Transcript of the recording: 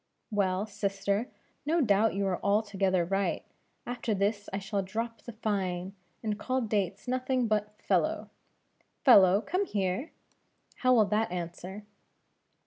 "Well, sister, no doubt you are altogether right; after this I shall drop the fine, and call Dates nothing but fellow; Fellow, come here! how will that answer?"